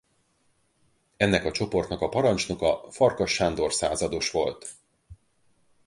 Ennek a csoportnak a parancsnoka Farkas Sándor százados volt.